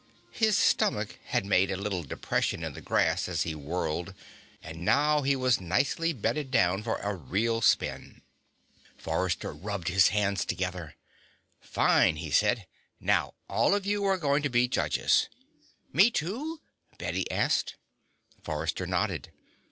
His stomach had made a little depression in the grass as he whirled, and he was now nicely bedded down for a real spin. Forrester rubbed his hands together. "Fine," he said. "Now, all of you are going to be judges." "Me, too?" Bette asked. Forrester nodded.